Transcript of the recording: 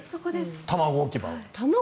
卵置き場は。